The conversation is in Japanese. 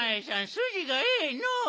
すじがええのう。